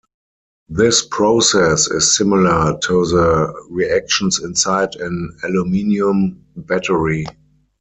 This process is similar to the reactions inside an aluminium battery.